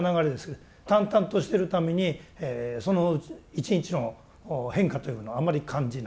淡々としてるためにその１日の変化というのはあまり感じない。